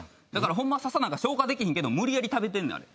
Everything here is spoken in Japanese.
ホンマはササは消化できひんけど無理やり食べてんねん。